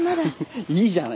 いいじゃないか。